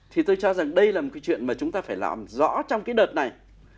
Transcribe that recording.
thì tôi cho rằng đây là một cái chuyện mà chúng ta phải làm rõ trong cái đợt này